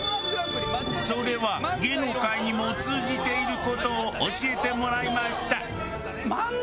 それは芸能界にも通じている事を教えてもらいました。